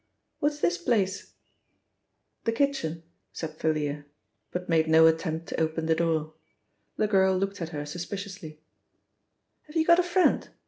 "What's this place?" "The kitchen," said Thalia, but made no attempt to open the door. The girl looked at her suspiciously, "Have you got a friend?"